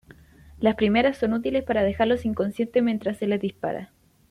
Las primeras son útiles para dejarlos inconscientes mientras se les dispara.